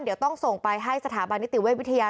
เดี๋ยวต้องส่งไปให้สถาบันนิติเวชวิทยา